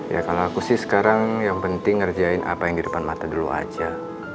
ya kalau aku sih sekarang yang penting ngerjain apa yang di depan mata dulu aja